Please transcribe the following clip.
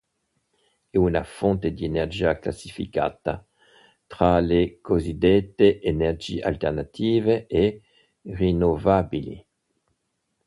È una fonte di energia classificata tra le cosiddette "energie alternative" e "rinnovabili".